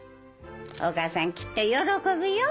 お母さんきっと喜ぶよ。